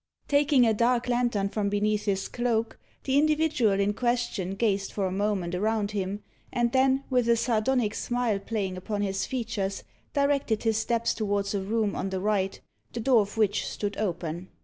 Taking a dark lantern from beneath his cloak, the individual in question gazed for a moment around him, and then, with a sardonic smile playing upon his features, directed his steps towards a room on the right, the door of which stood open.